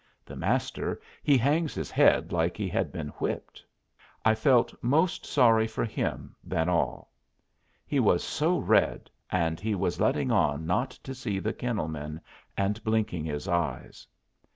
The Master he hangs his head like he had been whipped. I felt most sorry for him than all. He was so red, and he was letting on not to see the kennel men, and blinking his eyes.